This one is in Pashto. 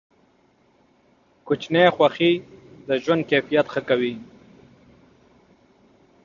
کوچني خوښۍ د ژوند کیفیت ښه کوي.